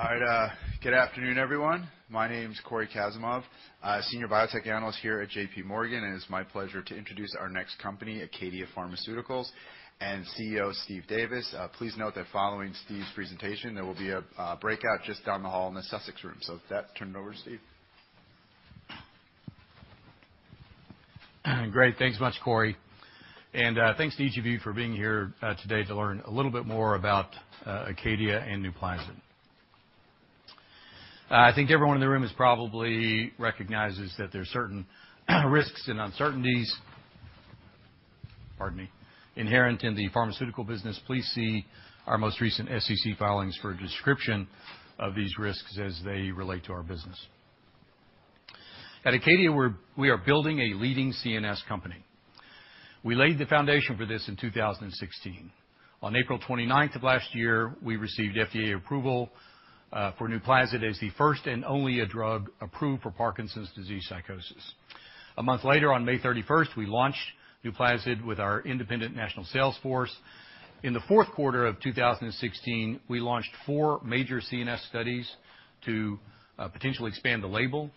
All right. Good afternoon, everyone. My name's Cory Kasimov, Senior Biotech Analyst here at J.P. Morgan. It's my pleasure to introduce our next company, ACADIA Pharmaceuticals, and CEO Steve Davis. Please note that following Steve's presentation, there will be a breakout just down the hall in the Sussex Room. With that, turn it over to Steve. Great. Thanks much, Cory. Thanks to each of you for being here today to learn a little bit more about ACADIA and NUPLAZID. I think everyone in the room probably recognizes that there's certain risks and uncertainties, pardon me, inherent in the pharmaceutical business. Please see our most recent SEC filings for a description of these risks as they relate to our business. At ACADIA, we are building a leading CNS company. We laid the foundation for this in 2016. On April 29th of last year, we received FDA approval for NUPLAZID as the first and only drug approved for Parkinson's disease psychosis. A month later, on May 31st, we launched NUPLAZID with our independent national sales force. In the fourth quarter of 2016, we launched four major CNS studies to potentially expand the label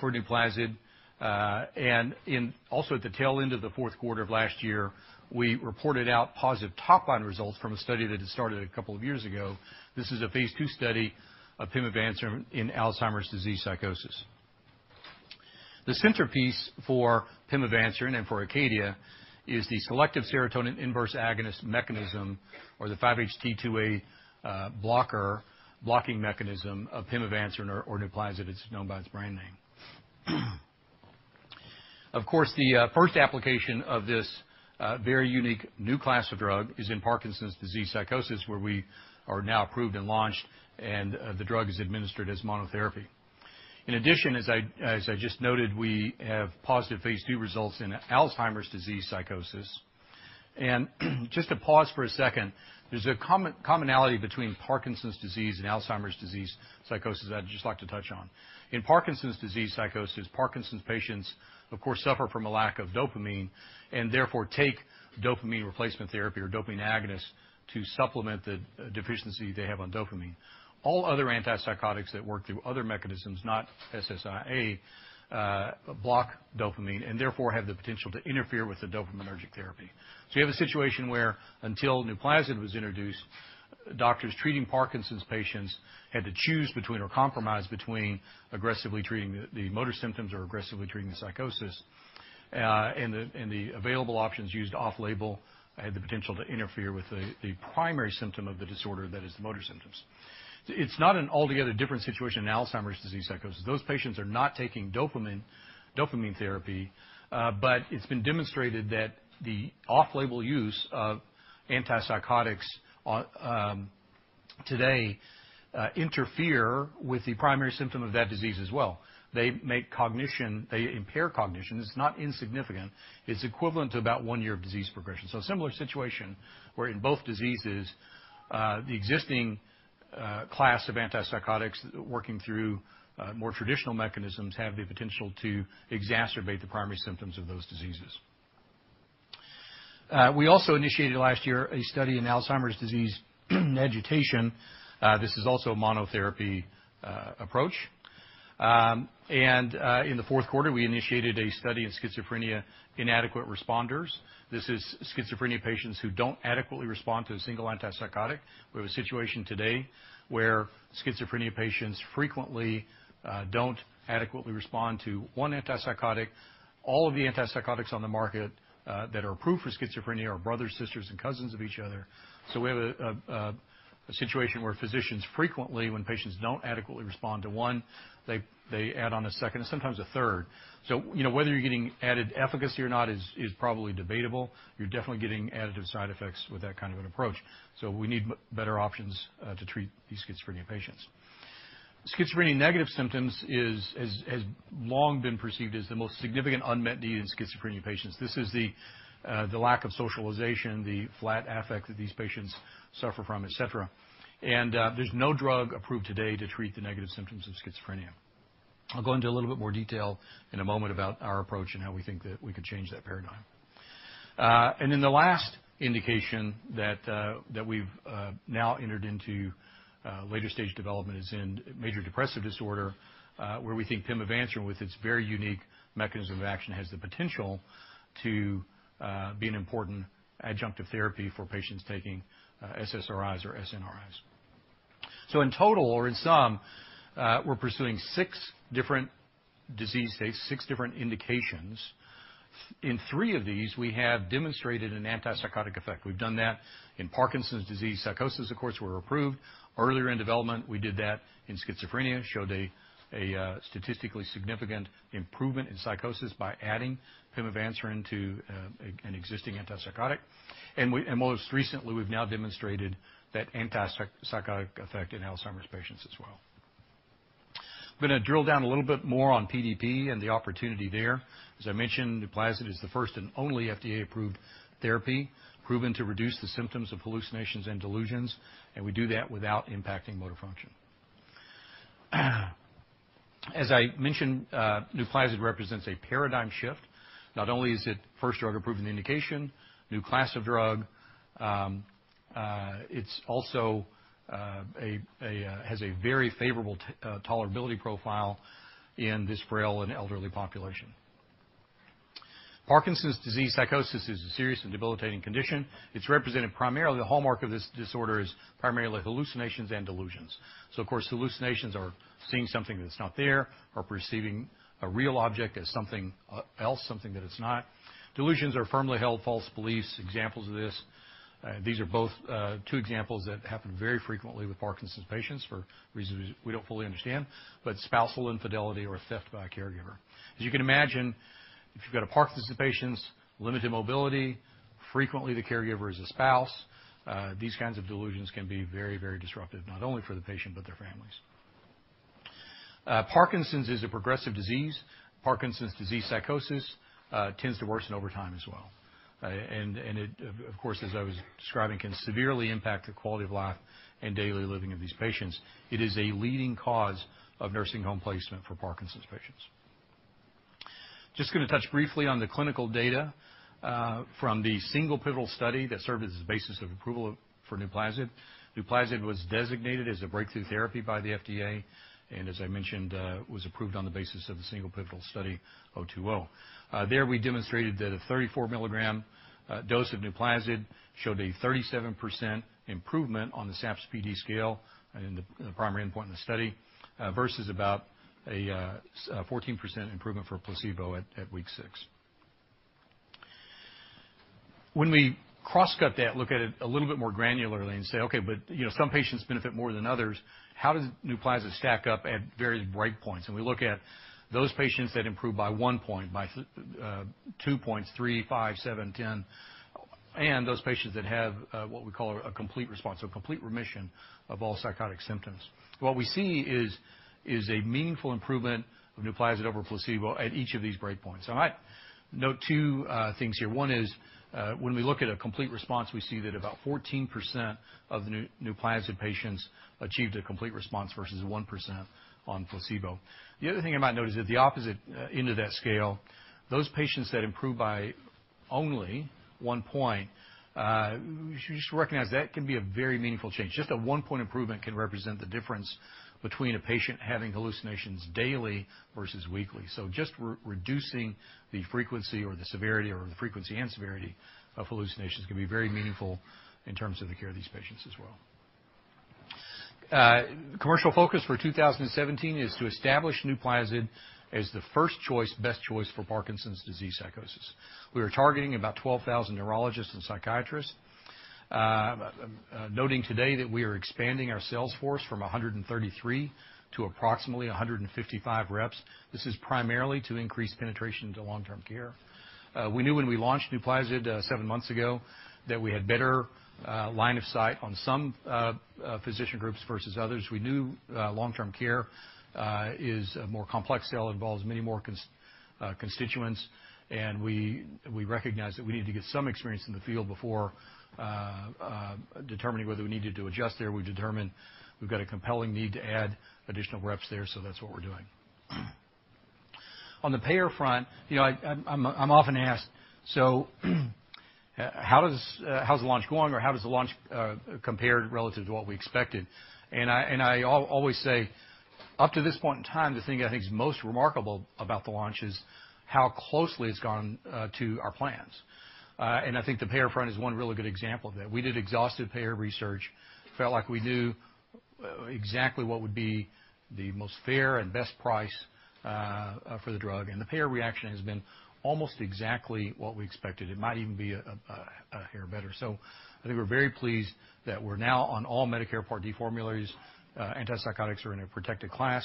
for NUPLAZID. Also at the tail end of the fourth quarter of last year, we reported out positive top-line results from a study that had started a couple of years ago. This is a phase II study of pimavanserin in Alzheimer's disease psychosis. The centerpiece for pimavanserin and for ACADIA is the selective serotonin inverse agonist mechanism or the 5-HT2A blocker, blocking mechanism of pimavanserin or NUPLAZID. It's known by its brand name. Of course, the first application of this very unique new class of drug is in Parkinson's disease psychosis, where we are now approved and launched, and the drug is administered as monotherapy. In addition, as I just noted, we have positive phase II results in Alzheimer's disease psychosis. Just to pause for a second, there's a commonality between Parkinson's disease and Alzheimer's disease psychosis that I'd just like to touch on. In Parkinson's disease psychosis, Parkinson's patients, of course, suffer from a lack of dopamine and therefore take dopamine replacement therapy or dopamine agonists to supplement the deficiency they have on dopamine. All other antipsychotics that work through other mechanisms, not SSIA, block dopamine, and therefore have the potential to interfere with the dopaminergic therapy. You have a situation where until NUPLAZID was introduced, doctors treating Parkinson's patients had to choose between or compromise between aggressively treating the motor symptoms or aggressively treating the psychosis. The available options used off-label had the potential to interfere with the primary symptom of the disorder, that is the motor symptoms. It's not an altogether different situation in Alzheimer's disease psychosis. Those patients are not taking dopamine therapy. It's been demonstrated that the off-label use of antipsychotics today interfere with the primary symptom of that disease as well. They impair cognition. It's not insignificant. It's equivalent to about one year of disease progression. A similar situation where in both diseases, the existing class of antipsychotics working through more traditional mechanisms have the potential to exacerbate the primary symptoms of those diseases. We also initiated last year a study in Alzheimer's disease agitation. This is also a monotherapy approach. In the fourth quarter, we initiated a study in schizophrenia inadequate responders. This is schizophrenia patients who don't adequately respond to a single antipsychotic. We have a situation today where schizophrenia patients frequently don't adequately respond to one antipsychotic. All of the antipsychotics on the market that are approved for schizophrenia are brothers, sisters, and cousins of each other. We have a situation where physicians frequently, when patients don't adequately respond to one, they add on a second and sometimes a third. Whether you're getting added efficacy or not is probably debatable. You're definitely getting additive side effects with that kind of an approach. We need better options to treat these schizophrenia patients. Schizophrenia negative symptoms has long been perceived as the most significant unmet need in schizophrenia patients. This is the lack of socialization, the flat affect that these patients suffer from, et cetera. There's no drug approved today to treat the negative symptoms of schizophrenia. I'll go into a little bit more detail in a moment about our approach and how we think that we could change that paradigm. The last indication that we've now entered into later stage development is in major depressive disorder where we think pimavanserin with its very unique mechanism of action has the potential to be an important adjunctive therapy for patients taking SSRIs or SNRIs. In total or in sum, we're pursuing six different disease states, six different indications. In three of these, we have demonstrated an antipsychotic effect. We've done that in Parkinson's disease psychosis, of course, we're approved. Earlier in development, we did that in schizophrenia, showed a statistically significant improvement in psychosis by adding pimavanserin to an existing antipsychotic. Most recently, we've now demonstrated that antipsychotic effect in Alzheimer's patients as well. I'm going to drill down a little bit more on PDP and the opportunity there. As I mentioned, NUPLAZID is the first and only FDA-approved therapy proven to reduce the symptoms of hallucinations and delusions, and we do that without impacting motor function. As I mentioned, NUPLAZID represents a paradigm shift. Not only is it first drug approved in indication, new class of drug, it also has a very favorable tolerability profile in this frail and elderly population. Parkinson's disease psychosis is a serious and debilitating condition. The hallmark of this disorder is primarily hallucinations and delusions. Of course, hallucinations are seeing something that's not there or perceiving a real object as something else, something that it's not. Delusions are firmly held false beliefs. Examples of this, these are both two examples that happen very frequently with Parkinson's patients for reasons we don't fully understand, but spousal infidelity or theft by a caregiver. As you can imagine, if you've got a Parkinson's patient's limited mobility, frequently the caregiver is a spouse. These kinds of delusions can be very disruptive, not only for the patient, but their families. Parkinson's is a progressive disease. Parkinson's disease psychosis tends to worsen over time as well. It, of course, as I was describing, can severely impact the quality of life and daily living of these patients. It is a leading cause of nursing home placement for Parkinson's patients. Just going to touch briefly on the clinical data from the single pivotal study that served as the basis of approval for NUPLAZID. NUPLAZID was designated as a breakthrough therapy by the FDA, and as I mentioned, was approved on the basis of the single pivotal study, -020. There, we demonstrated that a 34 milligram dose of NUPLAZID showed a 37% improvement on the SAPS-PD scale and the primary endpoint in the study versus about a 14% improvement for a placebo at week six. When we cross-cut that, look at it a little bit more granularly and say, "Okay, some patients benefit more than others. How does NUPLAZID stack up at various break points?" We look at those patients that improve by one point, by two points, three, five, seven, 10, and those patients that have what we call a complete response or complete remission of all psychotic symptoms. What we see is a meaningful improvement of NUPLAZID over placebo at each of these break points. I note two things here. One is when we look at a complete response, we see that about 14% of the NUPLAZID patients achieved a complete response versus 1% on placebo. The other thing I might note is that the opposite end of that scale, those patients that improve by only one point, you should recognize that can be a very meaningful change. Just a one-point improvement can represent the difference between a patient having hallucinations daily versus weekly. Just reducing the frequency or the severity or the frequency and severity of hallucinations can be very meaningful in terms of the care of these patients as well. Commercial focus for 2017 is to establish NUPLAZID as the first choice, best choice for Parkinson's disease psychosis. We are targeting about 12,000 neurologists and psychiatrists. Noting today that we are expanding our sales force from 133 to approximately 155 reps. This is primarily to increase penetration into long-term care. We knew when we launched NUPLAZID seven months ago that we had a better line of sight on some physician groups versus others. We knew long-term care is a more complex sale, involves many more constituents, and we recognized that we needed to get some experience in the field before determining whether we needed to adjust there. We determined we've got a compelling need to add additional reps there, that's what we're doing. On the payer front, I'm often asked, "How's the launch going?" "How does the launch compare relative to what we expected?" I always say, up to this point in time, the thing I think is most remarkable about the launch is how closely it's gone to our plans. I think the payer front is one really good example of that. We did exhaustive payer research, felt like we knew exactly what would be the most fair and best price for the drug. The payer reaction has been almost exactly what we expected. It might even be a hair better. I think we're very pleased that we're now on all Medicare Part D formularies. Antipsychotics are in a protected class,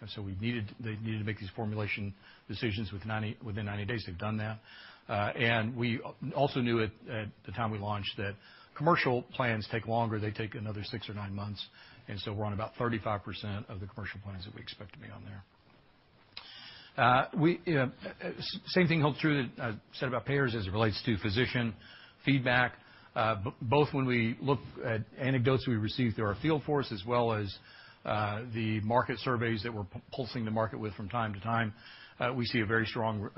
they needed to make these formulation decisions within 90 days. They've done that. We also knew at the time we launched that commercial plans take longer. They take another six or nine months, we're on about 35% of the commercial plans that we expect to be on there. Same thing holds true that I said about payers as it relates to physician feedback. Both when we look at anecdotes we receive through our field force as well as the market surveys that we're pulsing the market with from time to time, we see a very strong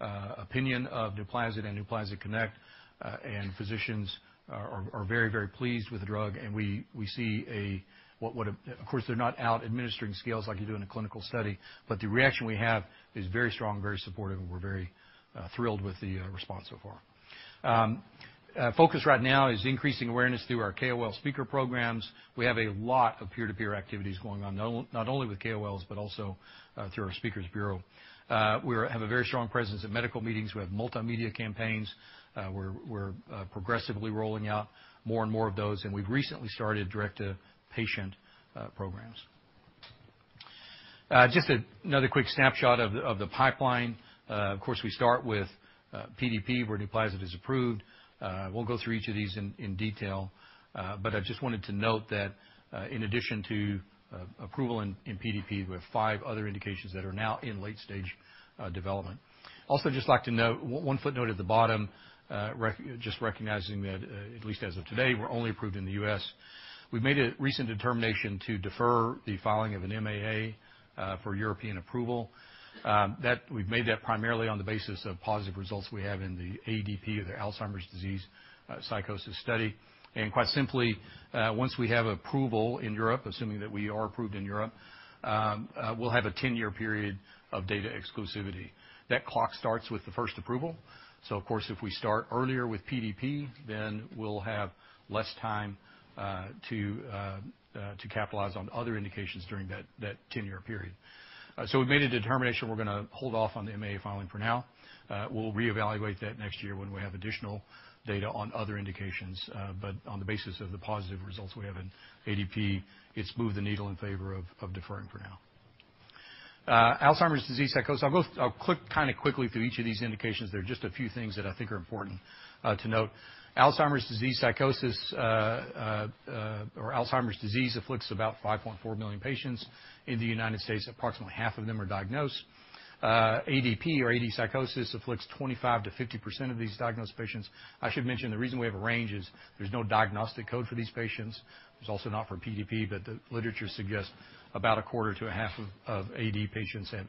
opinion of NUPLAZID and Acadia Connect. Physicians are very pleased with the drug, we see of course, they're not out administering scales like you do in a clinical study, but the reaction we have is very strong, very supportive, and we're very thrilled with the response so far. Focus right now is increasing awareness through our KOL speaker programs. We have a lot of peer-to-peer activities going on, not only with KOLs, but also through our speakers bureau. We have a very strong presence at medical meetings. We have multimedia campaigns. We're progressively rolling out more and more of those, and we've recently started direct-to-patient programs. Just another quick snapshot of the pipeline. Of course, we start with PDP, where NUPLAZID is approved. We'll go through each of these in detail. I just wanted to note that in addition to approval in PDP, we have five other indications that are now in late-stage development. Also just like to note, one footnote at the bottom, just recognizing that at least as of today, we're only approved in the U.S. We've made a recent determination to defer the filing of an MAA for European approval. We've made that primarily on the basis of positive results we have in the ADP or the Alzheimer's disease psychosis study. Quite simply, once we have approval in Europe, assuming that we are approved in Europe, we'll have a 10-year period of data exclusivity. That clock starts with the first approval. Of course, if we start earlier with PDP, we'll have less time to capitalize on other indications during that 10-year period. We've made a determination we're going to hold off on the MAA filing for now. We'll reevaluate that next year when we have additional data on other indications. On the basis of the positive results we have in ADP, it's moved the needle in favor of deferring for now. Alzheimer's disease psychosis. I'll click kind of quickly through each of these indications. There are just a few things that I think are important to note. Alzheimer's disease psychosis or Alzheimer's disease afflicts about 5.4 million patients in the U.S. Approximately half of them are diagnosed. ADP or AD psychosis afflicts 25%-50% of these diagnosed patients. I should mention the reason we have a range is there's no diagnostic code for these patients. There's also not for PDP, but the literature suggests about a quarter to a half of AD patients have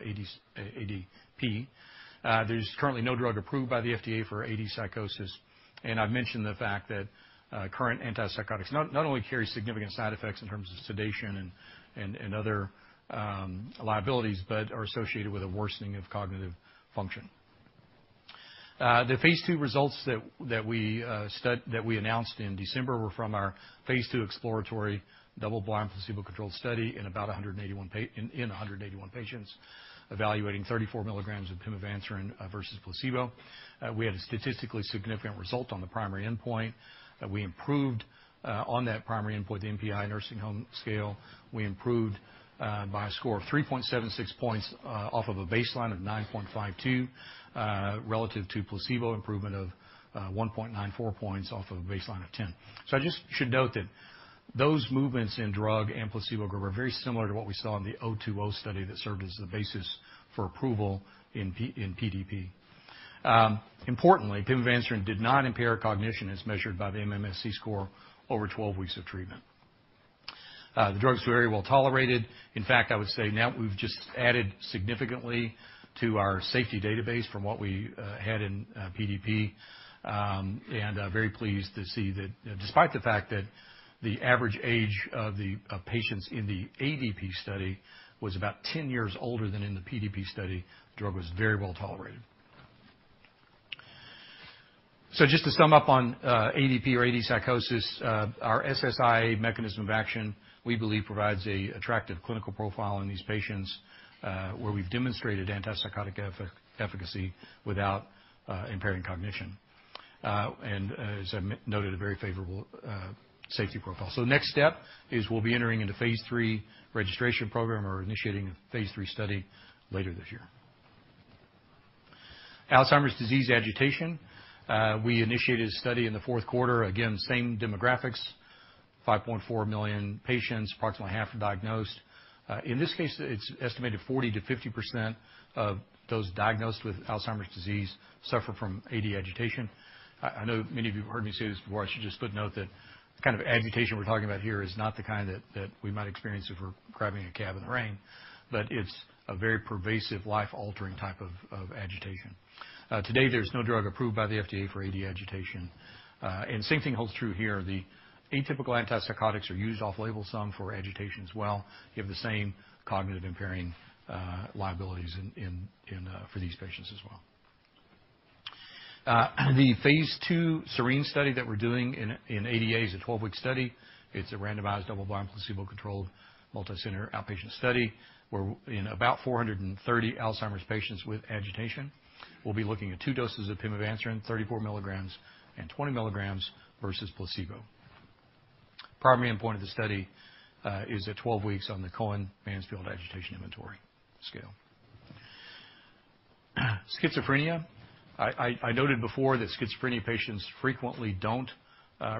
ADP. There's currently no drug approved by the FDA for AD psychosis. I've mentioned the fact that current antipsychotics not only carry significant side effects in terms of sedation and other liabilities, but are associated with a worsening of cognitive function. The phase II results that we announced in December were from our phase II exploratory double-blind placebo-controlled study in 181 patients evaluating 34 milligrams of pimavanserin versus placebo. We had a statistically significant result on the primary endpoint. We improved on that primary endpoint, the NPI nursing home scale. We improved by a score of 3.76 points off of a baseline of 9.52 relative to placebo improvement of 1.94 points off of a baseline of 10. I just should note that those movements in drug and placebo group are very similar to what we saw in the -020 study that served as the basis for approval in PDP. Importantly, pimavanserin did not impair cognition as measured by the MMSE score over 12 weeks of treatment. The drug's very well-tolerated. In fact, I would say now we've just added significantly to our safety database from what we had in PDP. Very pleased to see that despite the fact that the average age of patients in the ADP study was about 10 years older than in the PDP study, the drug was very well-tolerated. Just to sum up on ADP or AD psychosis, our SSIA mechanism of action, we believe provides an attractive clinical profile in these patients where we've demonstrated antipsychotic efficacy without impairing cognition. As I noted, a very favorable safety profile. Next step is we'll be entering into phase III registration program or initiating a phase III study later this year. Alzheimer's disease agitation. We initiated a study in the fourth quarter. Again, same demographics, 5.4 million patients, approximately half are diagnosed. In this case, it's estimated 40%-50% of those diagnosed with Alzheimer's disease suffer from AD agitation. I know many of you have heard me say this before. I should just footnote that the kind of agitation we're talking about here is not the kind that we might experience if we're grabbing a cab in the rain, but it's a very pervasive, life-altering type of agitation. Today, there's no drug approved by the FDA for AD agitation. Same thing holds true here. The atypical antipsychotics are used off-label some for agitation as well. You have the same cognitive impairing liabilities for these patients as well. The phase II SERENE study that we're doing in ADA is a 12-week study. It's a randomized, double-blind, placebo-controlled, multi-center outpatient study in about 430 Alzheimer's patients with agitation. We'll be looking at two doses of pimavanserin, 34 milligrams and 20 milligrams versus placebo. Primary endpoint of the study is at 12 weeks on the Cohen-Mansfield Agitation Inventory scale. Schizophrenia. I noted before that schizophrenia patients frequently don't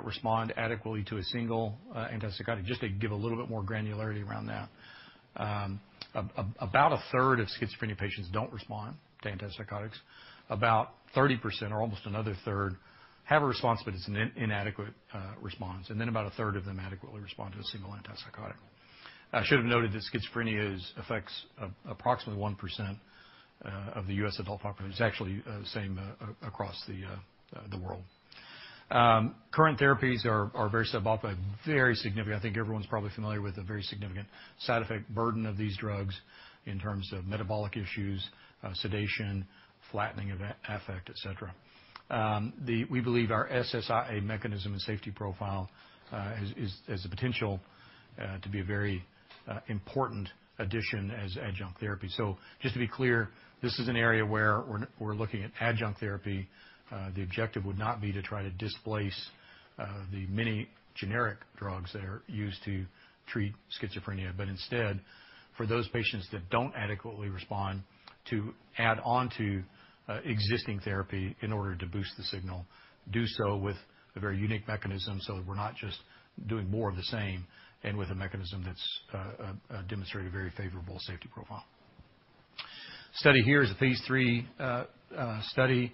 respond adequately to a single antipsychotic. Just to give a little bit more granularity around that. About a third of schizophrenia patients don't respond to antipsychotics. About 30% or almost another third have a response, but it's an inadequate response. Then about a third of them adequately respond to a single antipsychotic. I should have noted that schizophrenia affects approximately 1% of the U.S. adult population. It's actually the same across the world. Current therapies are very suboptimal. I think everyone's probably familiar with the very significant side effect burden of these drugs in terms of metabolic issues, sedation, flattening of affect, et cetera. We believe our SSRI mechanism and safety profile has the potential to be a very important addition as adjunct therapy. Just to be clear, this is an area where we're looking at adjunct therapy. The objective would not be to try to displace the many generic drugs that are used to treat schizophrenia, but instead, for those patients that don't adequately respond, to add onto existing therapy in order to boost the signal. Do so with a very unique mechanism so that we're not just doing more of the same, and with a mechanism that's demonstrated a very favorable safety profile. Study here is a phase III study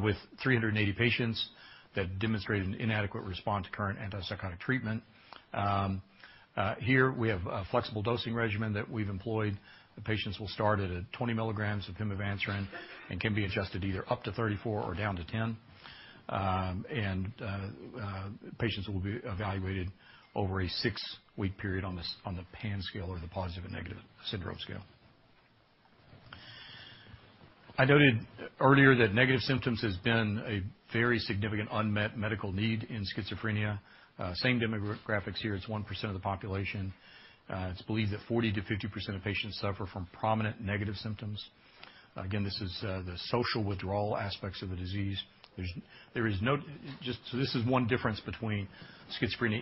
with 380 patients that demonstrated an inadequate response to current antipsychotic treatment. Here we have a flexible dosing regimen that we've employed. The patients will start at 20 milligrams of pimavanserin and can be adjusted either up to 34 or down to 10. Patients will be evaluated over a six-week period on the PAN scale or the Positive and Negative Syndrome Scale. I noted earlier that negative symptoms has been a very significant unmet medical need in schizophrenia. Same demographics here. It's 1% of the population. It's believed that 40%-50% of patients suffer from prominent negative symptoms. Again, this is the social withdrawal aspects of the disease. This is one difference between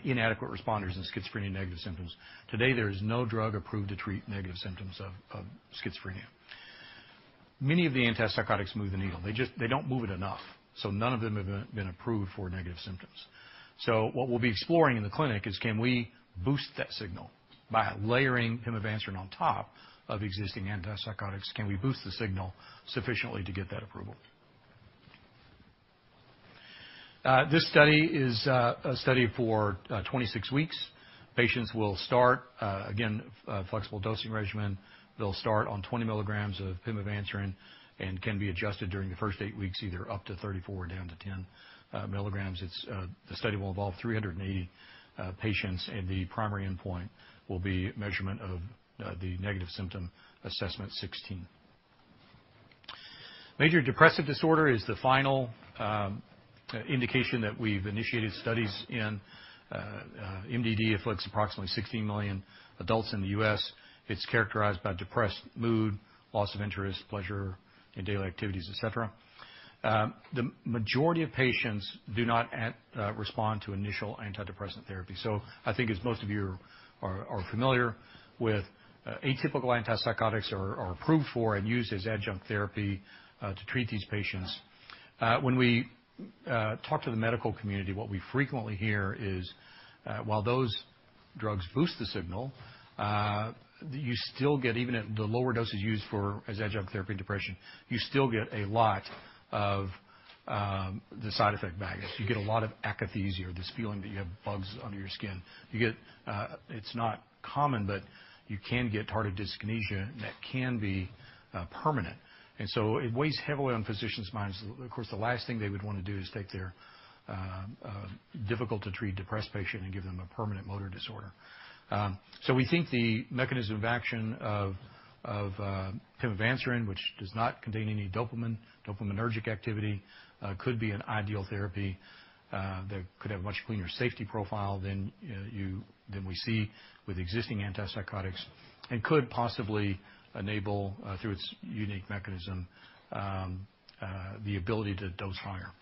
inadequate responders and schizophrenia negative symptoms. Today, there is no drug approved to treat negative symptoms of schizophrenia. Many of the antipsychotics move the needle. They don't move it enough, so none of them have been approved for negative symptoms. What we'll be exploring in the clinic is can we boost that signal by layering pimavanserin on top of existing antipsychotics. Can we boost the signal sufficiently to get that approval? This study is a study for 26 weeks. Patients will start, again, flexible dosing regimen. They'll start on 20 milligrams of pimavanserin and can be adjusted during the first eight weeks, either up to 34 or down to 10 milligrams. The study will involve 380 patients, and the primary endpoint will be measurement of the Negative Symptom Assessment-16. Major depressive disorder is the final indication that we've initiated studies in. MDD afflicts approximately 16 million adults in the U.S. It's characterized by depressed mood, loss of interest, pleasure in daily activities, et cetera. The majority of patients do not respond to initial antidepressant therapy. I think, as most of you are familiar with, atypical antipsychotics are approved for and used as adjunct therapy to treat these patients. When we talk to the medical community, what we frequently hear is, while those drugs boost the signal, you still get, even at the lower doses used for as adjunct therapy in depression, you still get a lot of the side effect baggage. You get a lot of akathisia or this feeling that you have bugs under your skin. It's not common, but you can get tardive dyskinesia and that can be permanent. It weighs heavily on physicians' minds. Of course, the last thing they would want to do is take their difficult-to-treat depressed patient and give them a permanent motor disorder. We think the mechanism of action of pimavanserin, which does not contain any dopaminergic activity could be an ideal therapy that could have much cleaner safety profile than we see with existing antipsychotics and could possibly enable, through its unique mechanism, the ability to dose higher.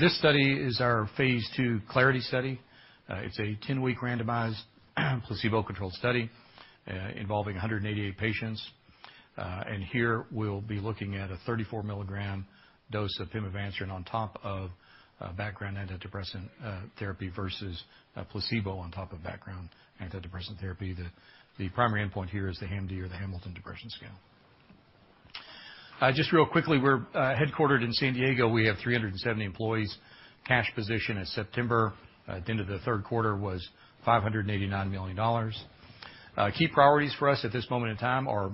This study is our phase II CLARITY study. It's a 10-week randomized placebo-controlled study involving 188 patients. Here we'll be looking at a 34-milligram dose of pimavanserin on top of background antidepressant therapy versus placebo on top of background antidepressant therapy. The primary endpoint here is the HAM-D or the Hamilton Depression Scale. Just real quickly, we're headquartered in San Diego. We have 370 employees. Cash position at September, at the end of the third quarter, was $589 million. Key priorities for us at this moment in time are,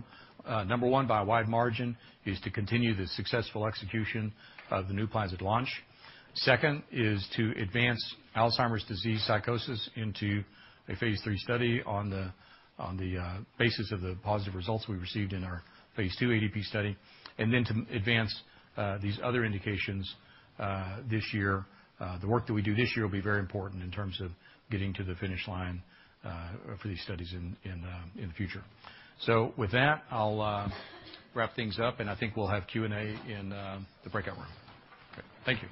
number one by a wide margin, is to continue the successful execution of the NUPLAZID launch. Second is to advance Alzheimer's disease psychosis into a phase III study on the basis of the positive results we received in our phase II ADP study, to advance these other indications this year. The work that we do this year will be very important in terms of getting to the finish line for these studies in the future. With that, I'll wrap things up and I think we'll have Q&A in the breakout room. Okay. Thank you.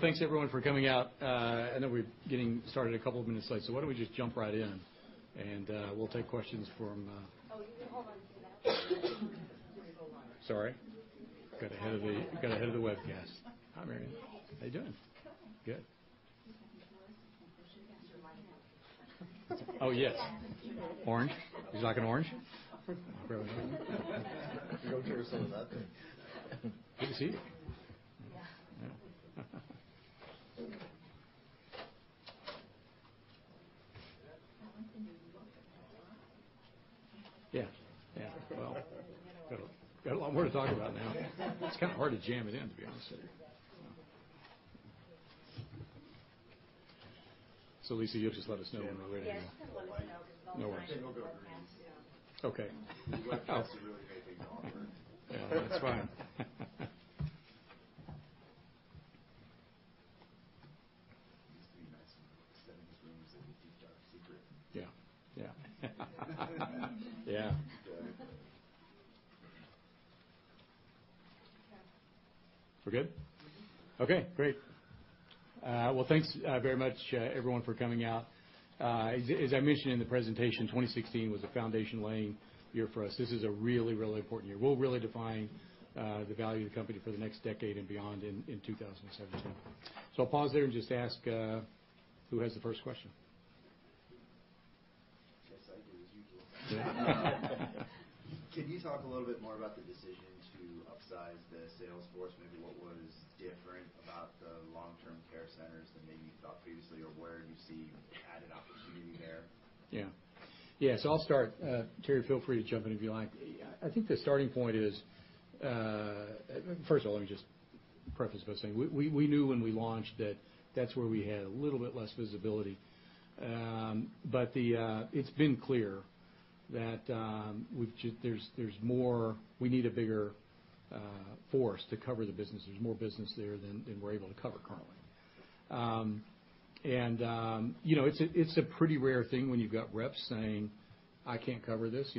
Thanks everyone for coming out. I know we're getting started a couple of minutes late, why don't we just jump right in, and we'll take questions from- You can hold on to that. Sorry? Got ahead of the webcast. Hi, Marion. Hi. How you doing? Good. Good. You realize you're pushing past your time now. Oh, yes. Orange. Would you like an orange? Go through some of that then. Good to see you. Yeah. Yeah. Well, got a lot more to talk about now. It's kind of hard to jam it in, to be honest with you. Lisa, you'll just let us know when we're ready to go. Yes, just let us know. No worries. we'll let you know with our hands. Yeah. Okay. The webcast is really making me hungry. Yeah, that's fine. It used to be nice in the book study rooms that we keep dark. Secret. Yeah. Okay. We're good? Okay, great. Well, thanks very much everyone for coming out. As I mentioned in the presentation, 2016 was a foundation-laying year for us. This is a really, really important year. We'll really define the value of the company for the next decade and beyond in 2017. I'll pause there and just ask who has the first question? Can you talk a little bit more about the decision to upsize the sales force? Maybe what was different about the long-term care centers than maybe you thought previously, or where you see added opportunity there? Yeah. I'll start. Terry, feel free to jump in if you like. I think the starting point is. First of all, let me just preface by saying, we knew when we launched that's where we had a little bit less visibility. It's been clear that we need a bigger force to cover the business. There's more business there than we're able to cover currently. It's a pretty rare thing when you've got reps saying, "I can't cover this.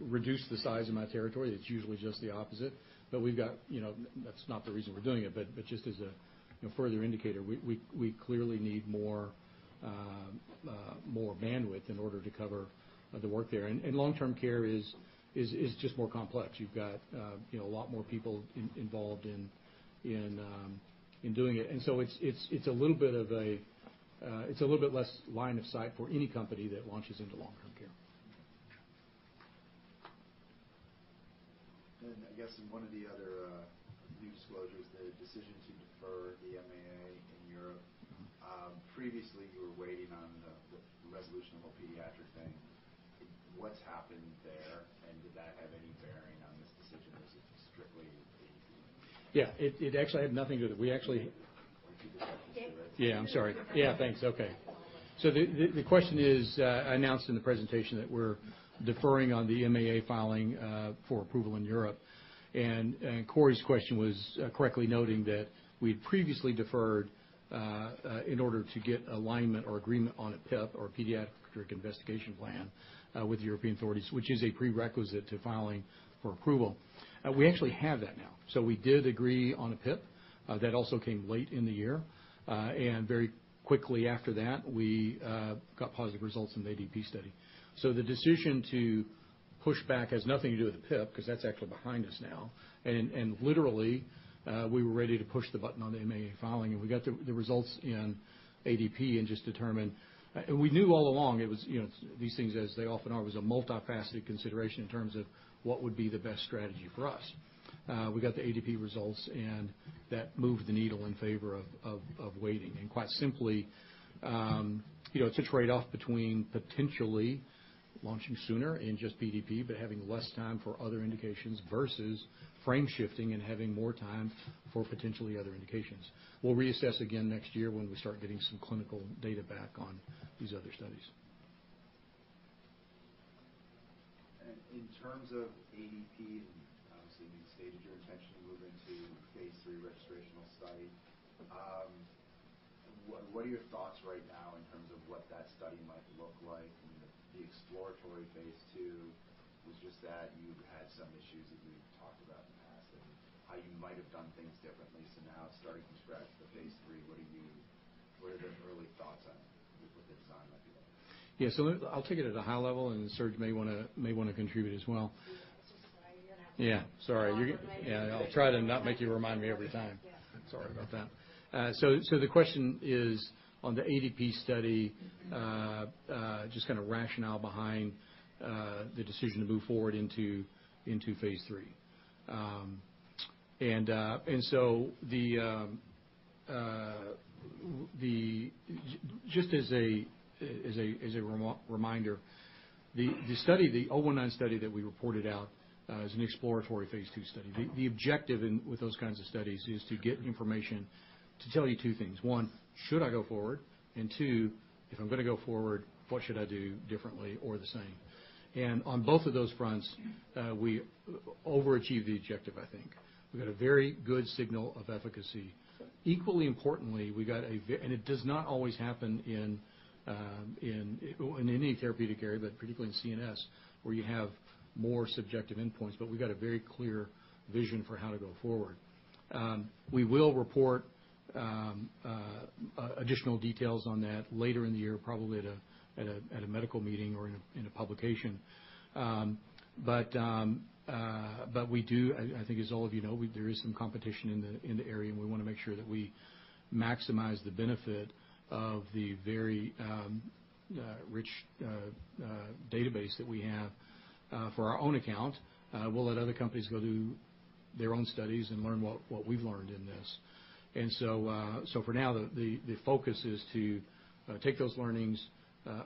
Reduce the size of my territory." It's usually just the opposite. That's not the reason we're doing it, but just as a further indicator, we clearly need more bandwidth in order to cover the work there. Long-term care is just more complex. You've got a lot more people involved in doing it. It's a little bit less line of sight for any company that launches into long-term care. I guess in one of the other new disclosures, the decision to defer the MAA in Europe. Previously, you were waiting on the resolution of a pediatric thing. What's happened there, and did that have any bearing on this decision? Was it strictly the? Yeah, it actually had nothing to do with it. Yeah, I'm sorry. Yeah, thanks. Okay. The question is, I announced in the presentation that we're deferring on the MAA filing for approval in Europe. Cory's question was correctly noting that we had previously deferred in order to get alignment or agreement on a PIP, or Pediatric Investigation Plan, with the European authorities, which is a prerequisite to filing for approval. We actually have that now. We did agree on a PIP. That also came late in the year. Very quickly after that, we got positive results from the ADP study. The decision to push back has nothing to do with the PIP, because that's actually behind us now. Literally, we were ready to push the button on the MAA filing, and we got the results in ADP and just determined. We knew all along these things, as they often are, was a multifaceted consideration in terms of what would be the best strategy for us. We got the ADP results, and that moved the needle in favor of waiting. Quite simply, it's a trade-off between potentially launching sooner in just PDP, but having less time for other indications versus frame shifting and having more time for potentially other indications. We'll reassess again next year when we start getting some clinical data back on these other studies. In terms of ADP, obviously you stated your intention to move into phase III registrational study. What are your thoughts right now in terms of what that study might look like? The exploratory phase II was just that. You had some issues that you've talked about in the past, like how you might have done things differently. Now starting from scratch with the phase III, what are your early thoughts on what the design might be like? I'll take it at a high level, and Serge may want to contribute as well. Sorry. No, you're good. I'll try to not make you remind me every time. Yeah. Sorry about that. The question is on the ADP study. Just kind of rationale behind the decision to move forward into phase III. Just as a reminder, the -019 study that we reported out is an exploratory phase II study. The objective with those kinds of studies is to get information to tell you two things. One, should I go forward? Two, if I'm going to go forward, what should I do differently or the same? On both of those fronts, we overachieved the objective, I think. We got a very good signal of efficacy. Equally importantly, and it does not always happen in any therapeutic area, but particularly in CNS, where you have more subjective endpoints, but we got a very clear vision for how to go forward. We will report additional details on that later in the year, probably at a medical meeting or in a publication. We do, I think as all of you know, there is some competition in the area, and we want to make sure that we maximize the benefit of the very rich database that we have for our own account. We'll let other companies go do their own studies and learn what we've learned in this. For now, the focus is to take those learnings,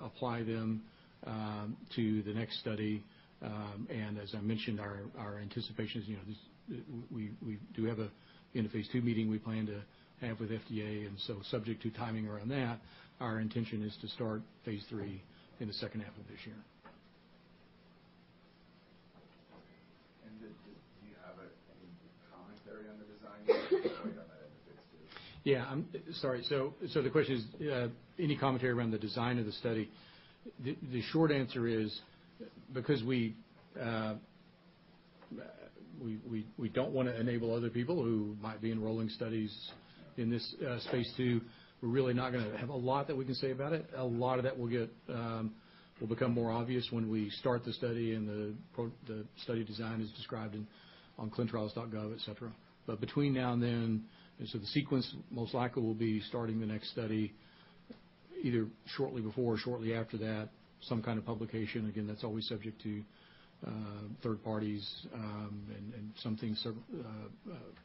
apply them to the next study. As I mentioned, our anticipation is we do have a phase II meeting we plan to have with FDA, and so subject to timing around that, our intention is to start phase III in the second half of this year. Okay. Do you have any commentary on the design yet? Are you planning on that in the phase II? Sorry. The question is, any commentary around the design of the study? The short answer is, because we don't want to enable other people who might be enrolling studies in this phase II, we're really not going to have a lot that we can say about it. A lot of that will become more obvious when we start the study and the study design is described on clinicaltrials.gov, et cetera. Between now and then, the sequence most likely will be starting the next study either shortly before or shortly after that, some kind of publication. Again, that's always subject to third parties and some things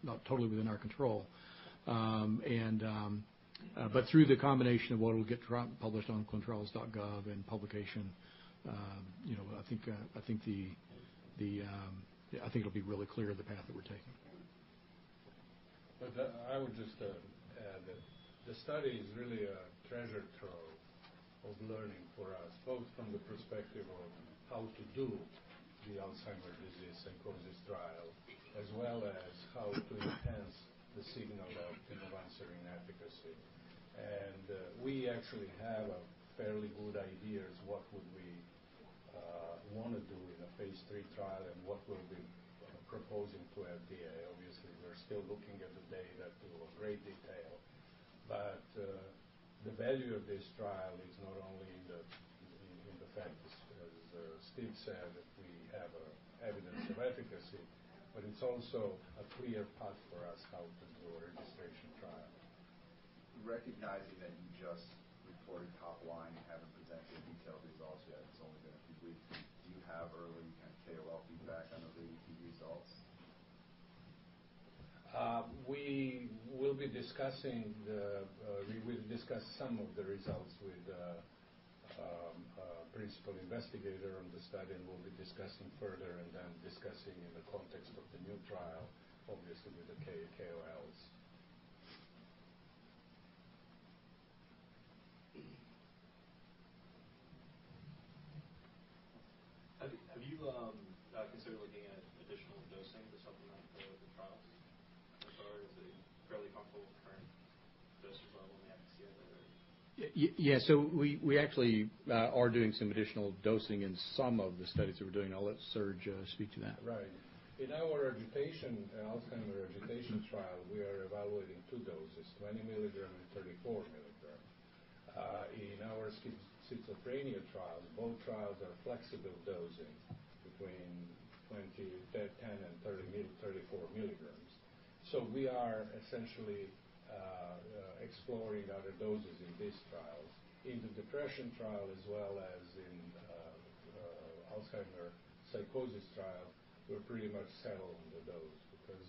not totally within our control. Through the combination of what will get published on clinicaltrials.gov and publication, I think it'll be really clear the path that we're taking. I would just add that the study is really a treasure trove of learning for us, both from the perspective of how to do the Alzheimer's disease psychosis trial, as well as how to enhance the signal of pimavanserin efficacy. We actually have a fairly good idea as what would we want to do in a phase III trial and what we'll be proposing to FDA. Obviously, we're still looking at the data to a great detail. The value of this trial is not only in the facts, because as Steve said, we have evidence of efficacy, but it's also a clear path for us how to do a registration trial. Recognizing that you just reported topline and haven't presented detailed results yet, it's only going to be brief. Do you have early kind of KOL feedback on the ADP results? We will discuss some of the results with the principal investigator on the study, and we'll be discussing further and then discussing in the context of the new trial, obviously with the KOLs. Have you considered looking at additional dosing for something like the trials? Or are you fairly comfortable with the current dosage level in the FDA label? Yeah. We actually are doing some additional dosing in some of the studies that we're doing. I'll let Serge speak to that. Right. In our Alzheimer's agitation trial, we are evaluating two doses, 20 milligram and 34 milligram. In our schizophrenia trials, both trials are flexible dosing between 10 and 34 milligrams. We are essentially exploring other doses in these trials. In the depression trial as well as in Alzheimer's psychosis trial, we're pretty much settled on the dose because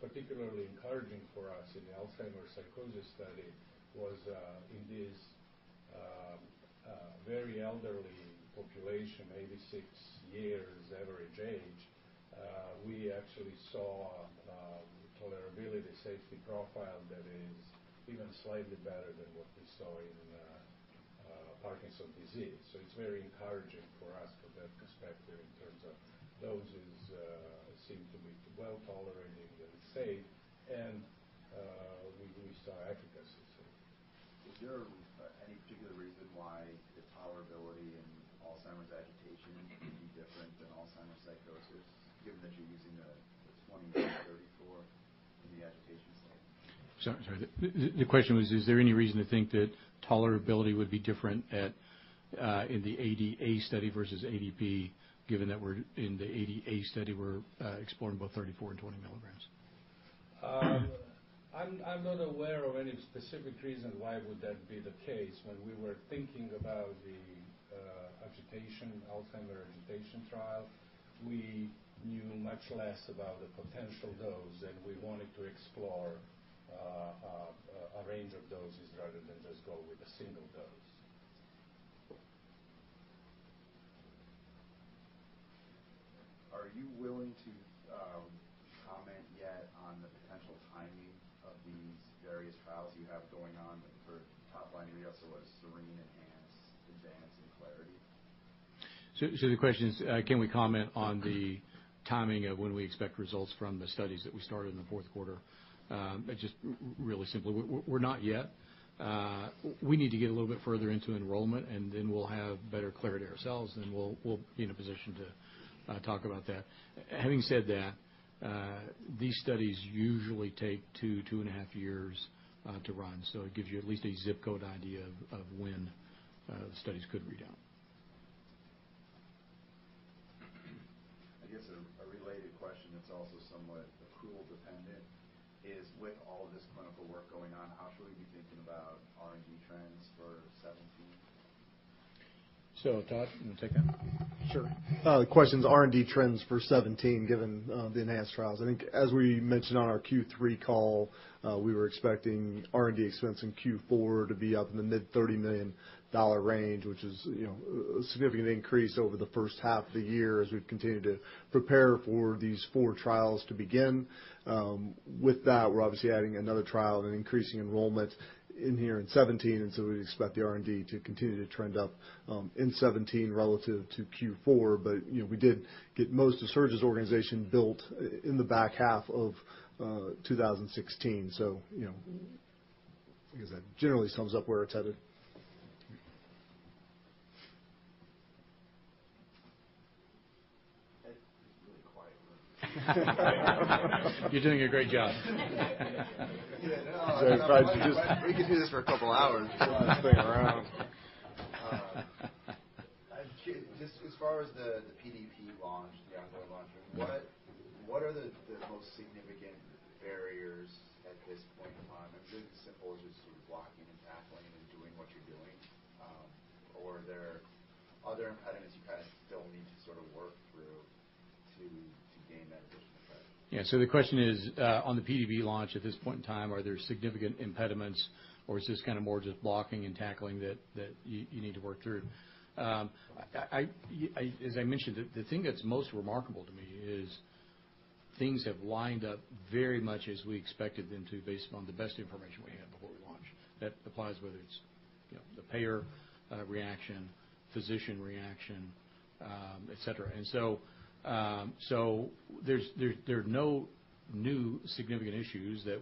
particularly encouraging for us in the Alzheimer's psychosis study was in this very elderly population, 86 years average age, we actually saw a tolerability safety profile that is even slightly better than what we saw in Parkinson's disease. It's very encouraging for us from that perspective in terms of doses seem to be well-tolerated and safe, and we saw efficacy. Is there any particular reason why the tolerability in Alzheimer's agitation would be different than Alzheimer's psychosis, given that you're using the 20 and 34 in the agitation study? Sorry. The question was, is there any reason to think that tolerability would be different in the ADA study versus ADP, given that in the ADA study, we're exploring both 34 and 20 milligrams? I'm not aware of any specific reason why would that be the case. When we were thinking about the Alzheimer's agitation trial, we knew much less about the potential dose, and we wanted to explore a range of doses rather than just go with a single dose. Are you willing to comment yet on the potential timing of these various trials you have going on for top line readouts for SERENE, ENHANCE, ADVANCE, and CLARITY? The question is, can we comment on the timing of when we expect results from the studies that we started in the fourth quarter? Just really simply, we're not yet. We need to get a little bit further into enrollment, and then we'll have better clarity ourselves, then we'll be in a position to talk about that. Having said that, these studies usually take two and a half years to run. It gives you at least a zip code idea of when the studies could read out. I guess a related question that's also somewhat accrual dependent is with all this clinical work going on, how should we be thinking about R&D trends for 2017? Todd, you want to take that? Sure. The question's R&D trends for 2017, given the ENHANCE trials. I think as we mentioned on our Q3 call, we were expecting R&D expense in Q4 to be up in the mid $30 million range, which is a significant increase over the first half of the year as we've continued to prepare for these four trials to begin. With that, we're obviously adding another trial and increasing enrollment in here in 2017, we expect the R&D to continue to trend up in 2017 relative to Q4. We did get most of Serge's organization built in the back half of 2016. I guess that generally sums up where it's headed. It's really quiet. You're doing a great job. Yeah, no. I'm surprised you just. We could do this for a couple hours throwing this thing around Just as far as the PDP launch, the ongoing launch, what are the most significant barriers at this point in time? I'm sure it's as simple as just sort of blocking and tackling and doing what you're doing. Are there other impediments you kind of still need to sort of work through to gain that additional effect? The question is, on the PDP launch at this point in time, are there significant impediments or is this kind of more just blocking and tackling that you need to work through? As I mentioned, the thing that's most remarkable to me is things have lined up very much as we expected them to based upon the best information we had before we launched. That applies whether it's the payer reaction, physician reaction, et cetera. There's no significant issues that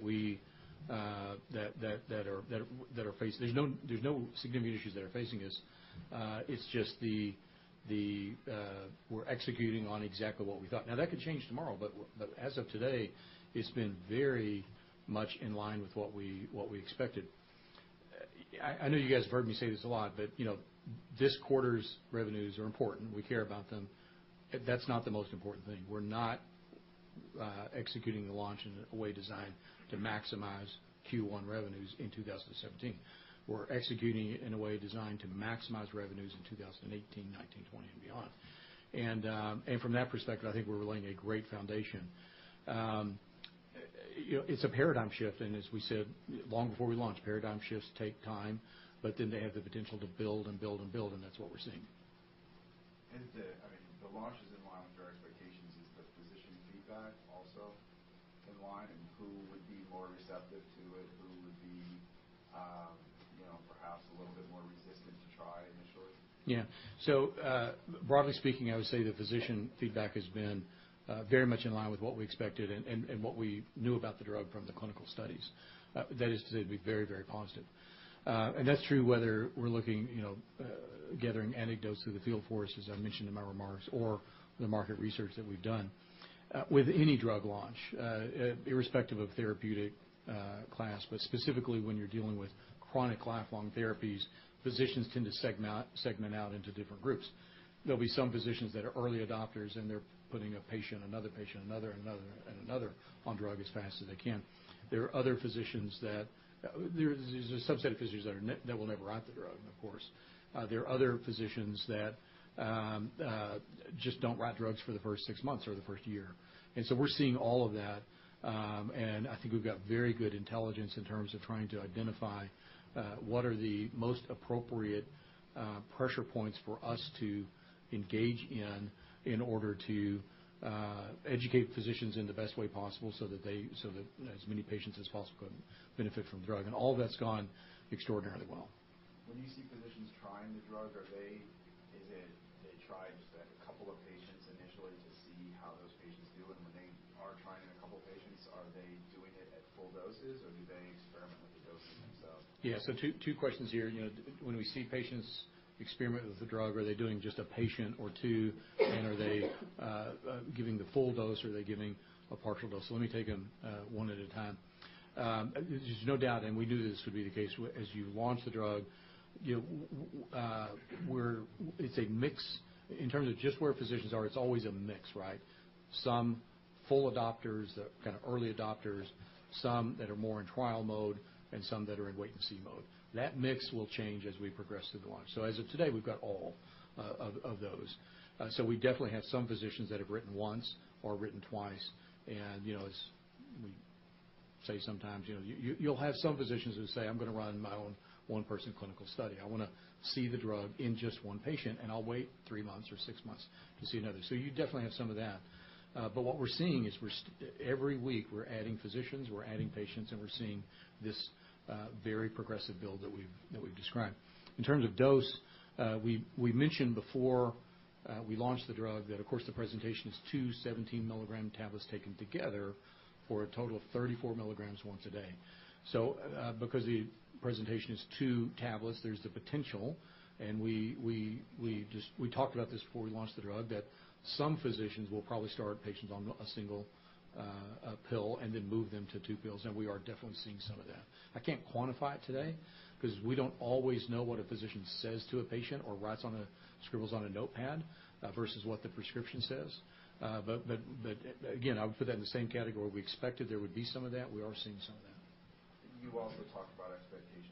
are facing us. It's just we're executing on exactly what we thought. That could change tomorrow, but as of today, it's been very much in line with what we expected. I know you guys have heard me say this a lot, but this quarter's revenues are important. We care about them. That's not the most important thing. We're not executing the launch in a way designed to maximize Q1 revenues in 2017. We're executing it in a way designed to maximize revenues in 2018, 2019, 2020, and beyond. From that perspective, I think we're laying a great foundation. It's a paradigm shift, and as we said long before we launched, paradigm shifts take time, but then they have the potential to build and build and build, and that's what we're seeing. I mean, the launch is in line with your expectations. Is the physician feedback also in line? Who would be more receptive to it? Who would be perhaps a little bit more resistant to try initially? Broadly speaking, I would say the physician feedback has been very much in line with what we expected and what we knew about the drug from the clinical studies. That is to say, it'd be very, very positive. That's true whether we're looking, gathering anecdotes through the field force, as I mentioned in my remarks, or the market research that we've done. With any drug launch, irrespective of therapeutic class, but specifically when you're dealing with chronic lifelong therapies, physicians tend to segment out into different groups. There'll be some physicians that are early adopters, and they're putting a patient, another patient, another, and another on drug as fast as they can. There's a subset of physicians that will never write the drug, of course. There are other physicians that just don't write drugs for the first six months or the first year. We're seeing all of that, and I think we've got very good intelligence in terms of trying to identify what are the most appropriate pressure points for us to engage in order to educate physicians in the best way possible so that as many patients as possible can benefit from the drug. All of that's gone extraordinarily well. When you see physicians trying the drug, is it they try just a couple of patients initially to see how those patients do? When they are trying in a couple patients, are they doing it at full doses, or do they experiment with the dosing themselves? Yeah, two questions here. When we see patients experiment with the drug, are they doing just a patient or two, and are they giving the full dose or are they giving a partial dose? Let me take them one at a time. There's no doubt, and we knew this would be the case, as you launch the drug, it's a mix in terms of just where physicians are, it's always a mix, right? Some full adopters that are kind of early adopters, some that are more in trial mode, and some that are in wait and see mode. That mix will change as we progress through the launch. As of today, we've got all of those. We definitely have some physicians that have written once or written twice, and as we say sometimes, you'll have some physicians who say, "I'm going to run my own one-person clinical study. I want to see the drug in just one patient, and I'll wait three months or six months to see another." You definitely have some of that. What we're seeing is every week we're adding physicians, we're adding patients, and we're seeing this very progressive build that we've described. In terms of dose, we mentioned before we launched the drug that, of course, the presentation is two 17 milligram tablets taken together for a total of 34 milligrams once a day. Because the presentation is two tablets, there's the potential, and we talked about this before we launched the drug, that some physicians will probably start patients on one pill and then move them to two pills, and we are definitely seeing some of that. I can't quantify it today because we don't always know what a physician says to a patient or scribbles on a notepad versus what the prescription says. Again, I would put that in the same category. We expected there would be some of that. We are seeing some of that. You also talked about expectations pre-launch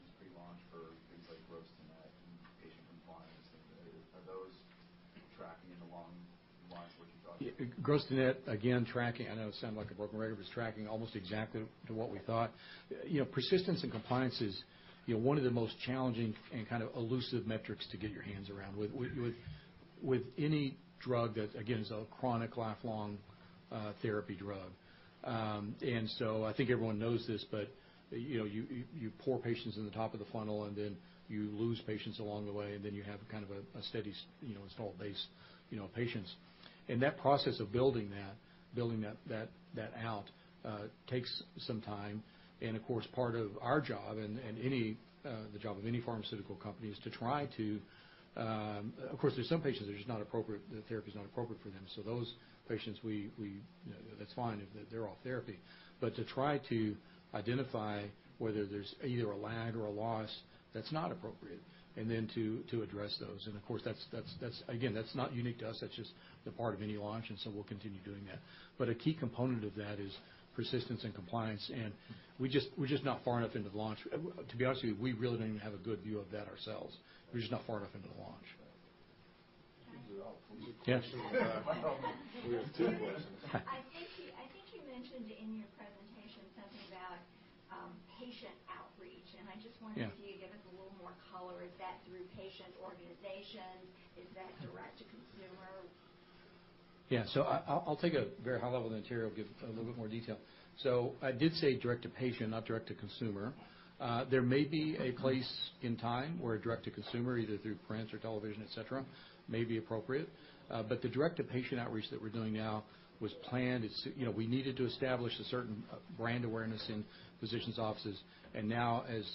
for things like gross to net and patient compliance. Are those tracking in along the lines of what you thought? Gross to net, again, tracking, I know I sound like a broken record, but it's tracking almost exactly to what we thought. Persistence and compliance is one of the most challenging and kind of elusive metrics to get your hands around with any drug that, again, is a chronic, lifelong therapy drug. I think everyone knows this, but you pour patients in the top of the funnel, and then you lose patients along the way, and then you have kind of a steady install base patients. That process of building that takes some time, and of course, part of our job and the job of any pharmaceutical company is to try. Of course, there's some patients, the therapy is not appropriate for them. Those patients, that's fine if they're off therapy. To try to identify whether there's either a lag or a loss, that's not appropriate, and then to address those. Of course, again, that's not unique to us, that's just the part of any launch, and so we'll continue doing that. A key component of that is persistence and compliance. We're just not far enough into the launch. To be honest with you, we really don't even have a good view of that ourselves. We're just not far enough into the launch. We have two questions. I think you mentioned in your presentation something about patient outreach. Yeah If you could give us a little more color. Is that through patient organizations? Is that direct to consumer? Yeah. I'll take a very high level, then Terry will give a little bit more detail. I did say direct to patient, not direct to consumer. There may be a place in time where direct to consumer, either through prints or television, et cetera, may be appropriate. The direct to patient outreach that we're doing now was planned. We needed to establish a certain brand awareness in physicians' offices. Now as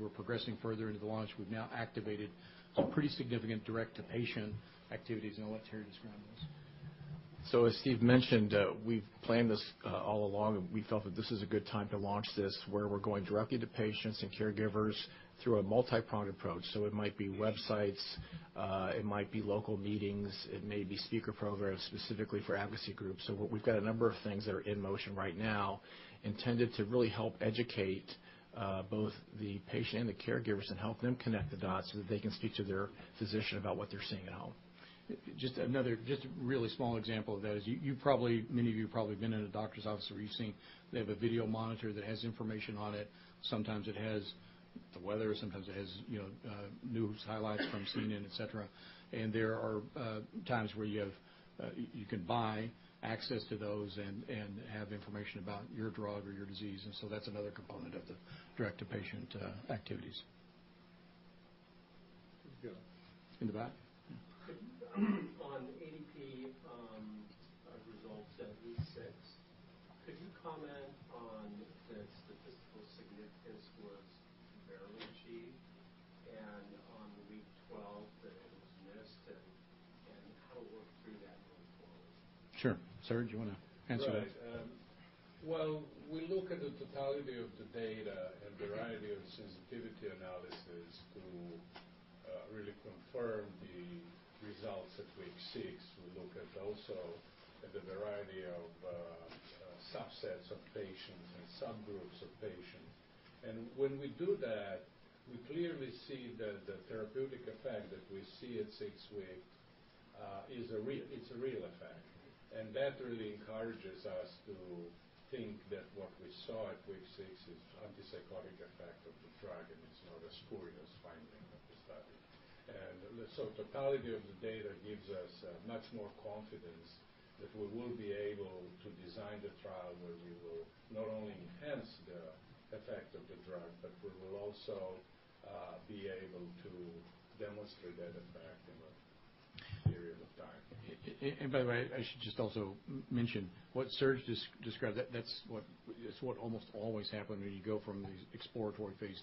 we're progressing further into the launch, we've now activated some pretty significant direct to patient activities, and I'll let Terry describe those. As Steve mentioned, we've planned this all along, and we felt that this is a good time to launch this, where we're going directly to patients and caregivers through a multi-pronged approach. It might be websites, it might be local meetings, it may be speaker programs specifically for advocacy groups. We've got a number of things that are in motion right now intended to really help educate both the patient and the caregivers and help them connect the dots so that they can speak to their physician about what they're seeing at home. Just a really small example of that is, many of you have probably been in a doctor's office where you've seen they have a video monitor that has information on it. Sometimes it has the weather, sometimes it has news highlights from CNN, et cetera. There are times where you can buy access to those and have information about your drug or your disease. That's another component of the direct to patient activities. Good to go. In the back? On ADP results at week six, could you comment on the statistical significance was barely achieved, and on week 12 that it was missed, and how to work through that going forward? Sure. Serge, you want to answer that? Right. Well, we look at the totality of the data and variety of sensitivity analysis to really confirm the results at week six. We look at also the variety of subsets of patients and subgroups of patients. When we do that, we clearly see that the therapeutic effect that we see at six weeks is real. It's a real effect. That really encourages us to think that what we saw at week six is antipsychotic effect of the drug, and it's not a spurious finding of the study. Totality of the data gives us much more confidence that we will be able to design the trial where we will not only enhance the effect of the drug, but we will also be able to demonstrate that effect in a period of time. By the way, I should just also mention what Serge described, that's what almost always happens when you go from the exploratory phase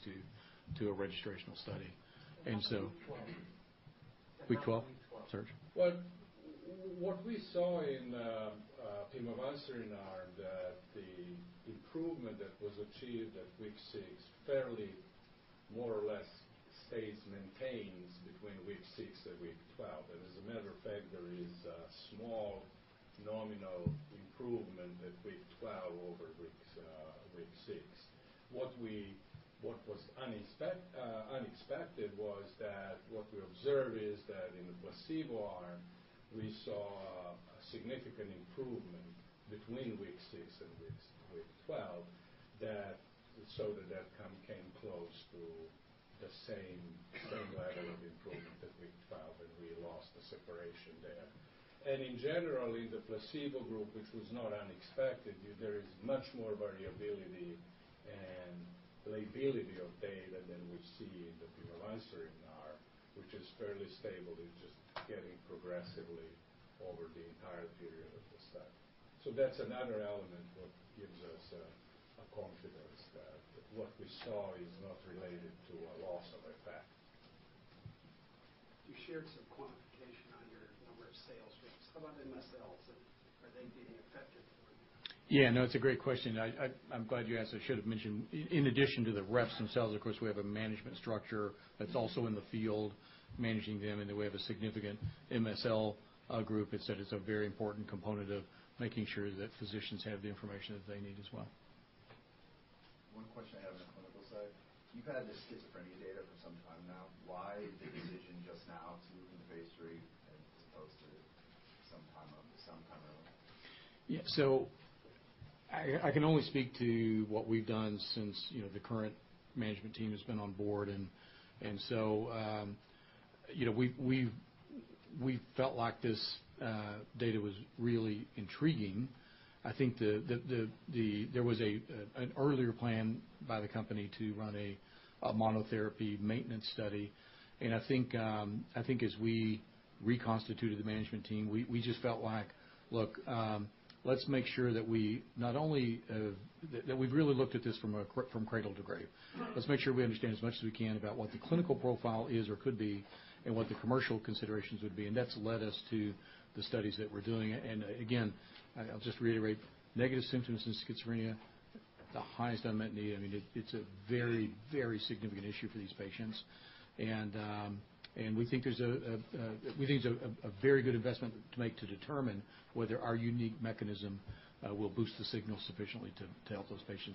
to a registrational study. Week 12. Week 12? Serge? Well, what we saw in pimavanserin arm, the improvement that was achieved at week six fairly more or less stays maintained between week six and week 12. As a matter of fact, there is a small nominal improvement at week 12 over week six. What was unexpected was that what we observed is that in the placebo arm, we saw a significant improvement between week six and week 12. The outcome came close to the same level of improvement at week 12. We lost the separation there. In general, in the placebo group, which was not unexpected, there is much more variability and lability of data than we see in the pimavanserin arm, which is fairly stable. It's just getting progressively over the entire period of the study. That's another element what gives us confidence that what we saw is not related to a loss of effect. You shared some quantification on your number of sales reps. How about MSLs? Are they being affected? Yeah, no, it's a great question. I'm glad you asked. I should have mentioned, in addition to the reps themselves, of course, we have a management structure that's also in the field managing them, and then we have a significant MSL group that's a very important component of making sure that physicians have the information that they need as well. One question I have on the clinical side. You've had the schizophrenia data for some time now. Why the decision just now to move into phase III as opposed to sometime earlier? Yeah. I can only speak to what we've done since the current management team has been on board. We felt like this data was really intriguing. I think there was an earlier plan by the company to run a monotherapy maintenance study. I think as we reconstituted the management team, we just felt like, look, let's make sure that we've really looked at this from cradle to grave. Let's make sure we understand as much as we can about what the clinical profile is or could be, and what the commercial considerations would be. That's led us to the studies that we're doing. Again, I'll just reiterate, negative symptoms in schizophrenia, the highest unmet need. It's a very significant issue for these patients. We think it's a very good investment to make to determine whether our unique mechanism will boost the signal sufficiently to help those patients.